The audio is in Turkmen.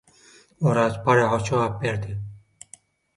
Oraz parahat jogap berdi: